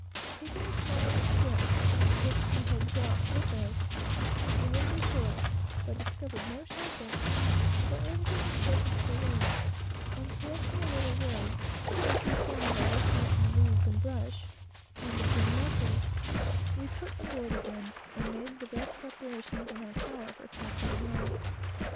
Taking a small skiff which we had brought with us, we went ashore, but found no shelter, for everything was open to the rain, and collecting a little wood, which we found by lifting up the leaves and brush, and a few mussels, we put aboard again, and made the best preparations in our power for passing the night.